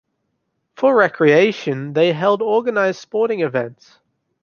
For recreation, they held organized sporting events.